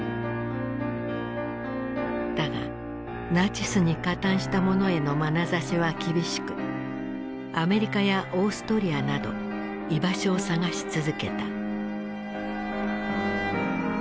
だがナチスに加担した者へのまなざしは厳しくアメリカやオーストリアなど居場所を探し続けた。